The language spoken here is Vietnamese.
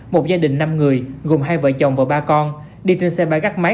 một gia đình năm người gồm hai vợ chồng và ba con đi trên xe bay gắt máy